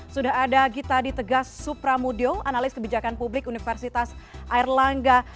sudah ada gita di tegas supramudyo analis kebijakan publik universitas airlangga